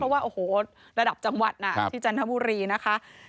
เพราะราดับจังหวัดที่จรรมพ์มุดรีนะคะ